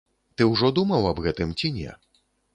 Ты ўжо думаў аб гэтым ці не?